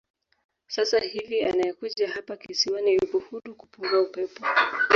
Sasa hivi anayekuja hapa kisiwani yupo huru kupunga upepo